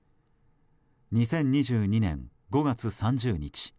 ２０２２年５月３０日。